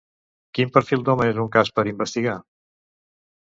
Quin perfil d'home és un cas per investigar?